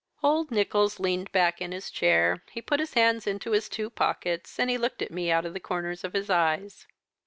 "Old Nicholls leaned back in his chair. He put his hands into his two pockets, and he looked at me out of the corners of his eyes.